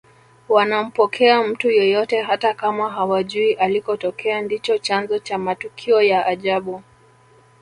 wanampokea mtu yeyote hata kama hawajui alikotokea ndicho chanzo cha matukio ya ajabu